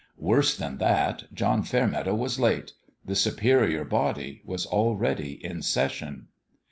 Worse than that, John Fairmeadow was late : the Superior Body was already in session.